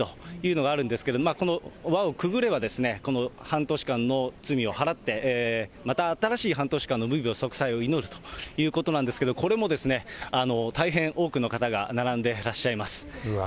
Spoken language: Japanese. そのうちの一環で、茅の輪くぐりというのがあるんですけど、この輪をくぐれば、この半年間の罪をはらって、また新しい半年間の無病息災を祈るということなんですけれども、これも大変多くの方が並んでらっしゃいます。